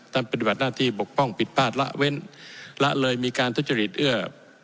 ปฏิบัติหน้าที่ปกป้องผิดพลาดละเว้นละเลยมีการทุจริตเอื้อ